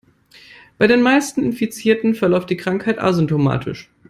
Bei den meisten Infizierten verläuft die Krankheit asymptomatisch.